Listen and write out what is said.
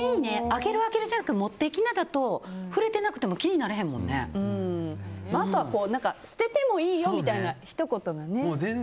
あげるあげるじゃないと持っていきなだと触れていなくてもあとは捨ててもいいよみたいなひと言とかね。